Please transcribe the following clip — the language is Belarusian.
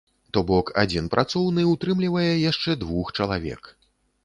То бок, адзін працоўны ўтрымлівае яшчэ двух чалавек.